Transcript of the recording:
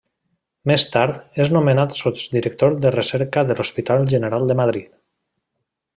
Més tard és nomenat sotsdirector de recerca de l'Hospital General de Madrid.